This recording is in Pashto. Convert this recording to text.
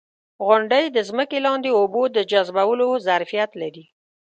• غونډۍ د ځمکې لاندې اوبو د جذبولو ظرفیت لري.